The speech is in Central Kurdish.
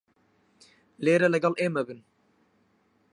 لێرە لەگەڵ ئێمە بن.